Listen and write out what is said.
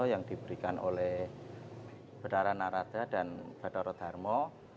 yang diberikan oleh badara narada dan badara dharma